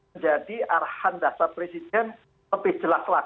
menjadi arahan dasar presiden lebih jelas lagi